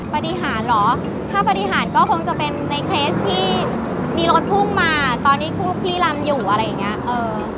ปฏิหารเหรอถ้าปฏิหารก็คงจะเป็นในเคสที่มีรถพุ่งมาตอนนี้คู่พี่ลำอยู่อะไรอย่างเงี้เออ